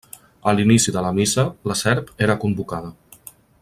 A l'inici de la missa la serp era convocada.